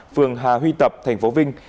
phường hà huy tập tp vinh